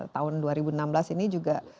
tahun dua ribu enam belas ini juga